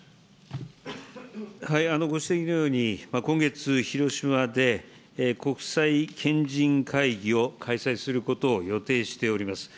ご指摘のように、今月、広島で国際賢人会議を開催することを予定しております。